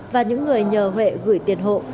và những người nhờ huệ gửi tiền hộ